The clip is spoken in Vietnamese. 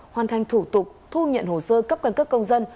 hoàn thành thủ tục thu nhận hồ sơ cấp quan cấp công dân